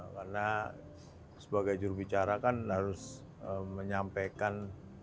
karena sebagai jurubicara kan harus menyampaikan